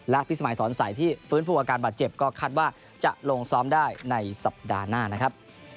และพิสมัยสอนใสที่ฟื้นฟูอาการบาดเจ็บก็คาดว่าจะลงซ้อมได้ในสัปดาห์หน้านะครับ